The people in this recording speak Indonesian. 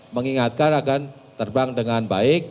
mengingatkan akan terbang dengan baik